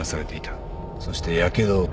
そしてやけどを伴うと。